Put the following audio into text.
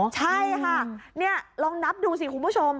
ใช่ค่ะนี่ลองนับดูสิคุณผู้ชม